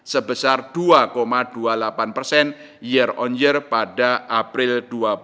sebesar dua dua puluh delapan persen year on year pada april dua ribu dua puluh